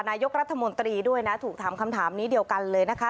นายกรัฐมนตรีด้วยนะถูกถามคำถามนี้เดียวกันเลยนะคะ